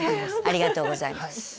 ありがとうございます。